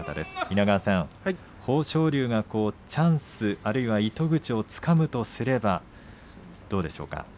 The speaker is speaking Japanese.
稲川さん豊昇龍はチャンス、あるいは糸口をつかむとすればどの辺りですか。